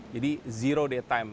jadi zero day time